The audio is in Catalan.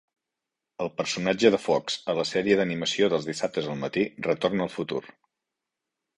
El personatge de Fox a la sèrie d'animació dels dissabtes al matí "Retorn al futur".